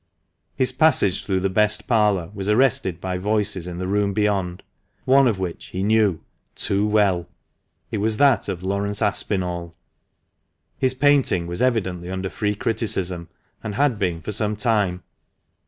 His passage through the best parlour was arrested by voices in the room beyond, one of which he knew too well. It was that of Laurence Aspinall. His painting was evidently under free criticism, and had been for some time.